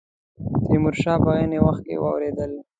تیمور شاه په عین وخت کې واورېدل.